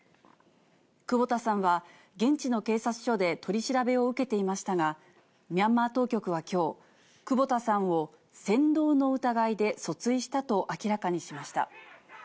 久保田さんは、現地の警察署で取り調べを受けていましたが、ミャンマー当局はきょう、久保田さんを扇動の疑いで訴追したと明らかにしました。